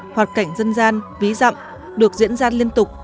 hoạt cảnh dân gian ví dặm được diễn ra liên tục